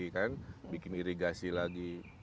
kan bikin irigasi lagi